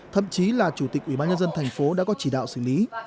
thậm chí là chủ tịch ủy ban nhân dân thành phố đã có chỉ đạo xử lý